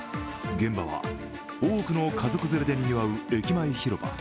現場は多くの家族連れでにぎわう駅前広場。